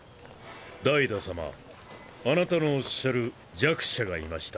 ダイダ様あなたのおっしゃる弱者がいました。